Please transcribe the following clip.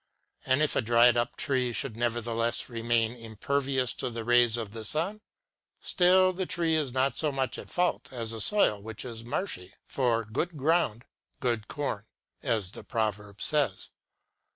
And if a dried up tree should nevertheless remain im pervious to the rays of the sun, still the tree is not so much at fault as the soil which is marshy. For " good ground, good corn," as the proverb says.